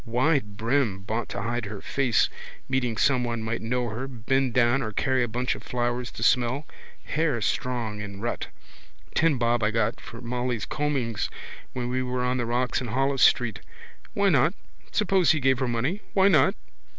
Wide brim. Bought to hide her face, meeting someone might know her, bend down or carry a bunch of flowers to smell. Hair strong in rut. Ten bob I got for Molly's combings when we were on the rocks in Holles street. Why not? Suppose he gave her money. Why not?